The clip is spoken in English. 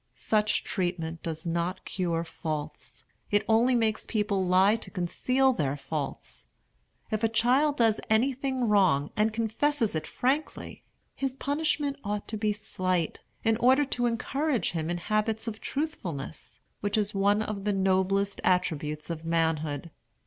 Such treatment does not cure faults; it only makes people lie to conceal their faults. If a child does anything wrong, and confesses it frankly, his punishment ought to be slight, in order to encourage him in habits of truthfulness, which is one of the noblest attributes of manhood.